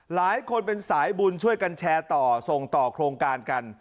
หลายคนเป็นสายบุญช่วยกันแชร์ต่อส่งต่อโครงการกัน